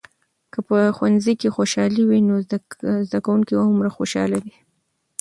که په ښوونځي کې خوشالي وي، نو زده کوونکي هومره خوشحال دي.